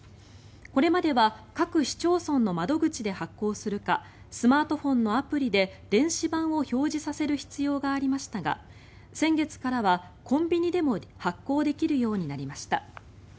これまでは各市町村の窓口で発行するかスマートフォンのアプリで電子版を表示させる必要がありましたが先月からはコンビニでも発行できるようになりました。